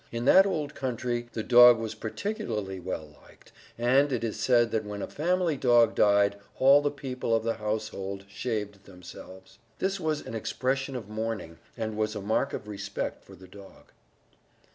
In that old country the dog was particularly well liked, and it is said that when a family dog died all the people of the household shaved themselves. This was an expression of mourning, and was a mark of respect for the dog.